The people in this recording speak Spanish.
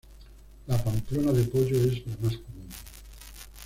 La pamplona de pollo es la más común.